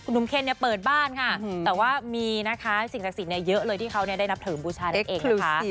หนุ่มเคนเปิดบ้านค่ะแต่ว่ามีนะคะสิ่งศักดิ์สิทธิ์เยอะเลยที่เขาได้นับเสริมบูชานั่นเองนะคะ